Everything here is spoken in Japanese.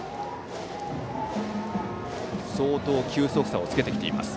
相当、球速差をつけてきています。